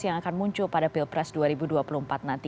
yang akan muncul pada pilpres dua ribu dua puluh empat nanti